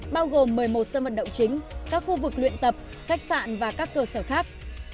bao gồm một mươi một sân vận động chính các khu vực luyện tập khách sạn và các cơ sở khác